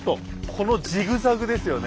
このジグザグですよね。